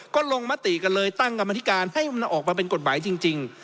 ก็ลงมติกันเลยตั้งกรรมธิการให้มันออกมาเป็นกฎหมายจริง